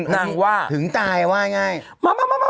นางว่าถึงตายว่าอย่างไร